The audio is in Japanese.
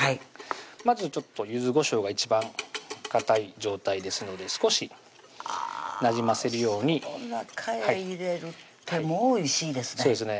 まずちょっと柚子こしょうが一番かたい状態ですので少しなじませるようにその中へ入れるってもうおいしいですね